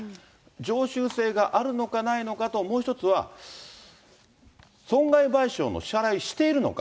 常習性があるのかないのかと、もう１つは、損害賠償の支払いしているのか。